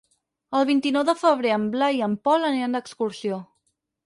El vint-i-nou de febrer en Blai i en Pol aniran d'excursió.